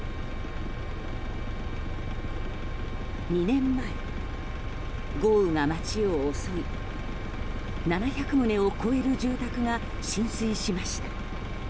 ２年前、豪雨が町を襲い７００棟を超える住宅が浸水しました。